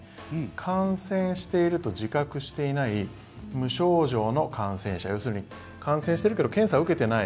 感染していると自覚していない無症状の感染者要するに感染しているけど検査を受けていない